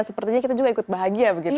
sepertinya kita juga ikut bahagia begitu ya